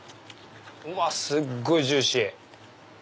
すっごいジューシー！